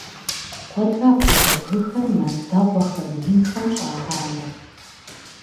Куэдрэ апхуэдэ бгыхэр мэз дэгъуэхэм, инхэм щӀагъанэ.